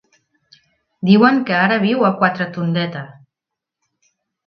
Diuen que ara viu a Quatretondeta.